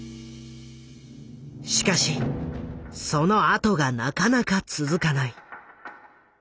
しかしそのあとがなかなか続かない。